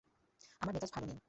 আমার মেজাজ ভালো নেই।